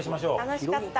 楽しかった。